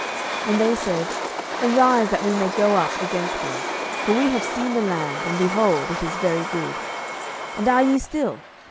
07:018:009 And they said, Arise, that we may go up against them: for we have seen the land, and, behold, it is very good: and are ye still?